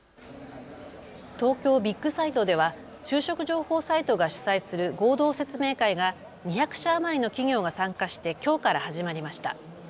東京ビッグサイトでは就職情報サイトが主催する合同説明会が２００社余りの企業が参加してきょうから始まりました。